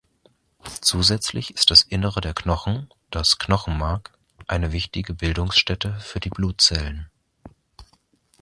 Zusätzlich ist das Innere der Knochen, das Knochenmark, eine wichtige Bildungsstätte für die Blutzellen.